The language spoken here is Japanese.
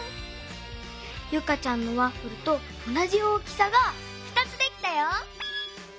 ユカちゃんのワッフルとおなじ大きさが２つできたよ！